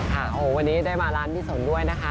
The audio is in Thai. ค่ะโอ้โหวันนี้ได้มาร้านพี่สนด้วยนะคะ